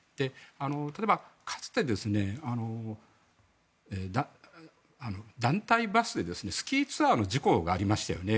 例えばかつて団体バスでスキーツアーの事故がありましたよね。